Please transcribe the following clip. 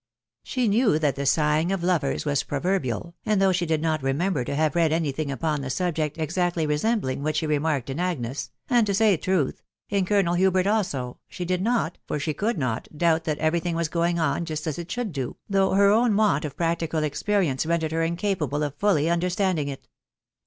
She knew that the sighing of lovers was proverbial, and though she did not remember to have read any thing upon the subject exeody resembling what she remarked in Agnes, and, to say truth, in Colonel Hubert also, she did not, lot && crald not, ijnisfrj that every thing was going on Joat %*\t fan& ^^ao^^sm j THE WIDOW BARNABY. 465 own want of practical experience rendered her incapable of fully understanding it.